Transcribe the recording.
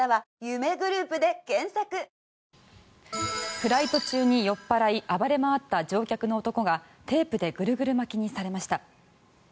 フライト中に酔っ払い暴れ回った乗客の男がテープでぐるぐる巻きにされました。